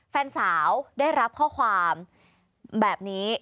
แฟนสาวได้รับข้อความแบบนี้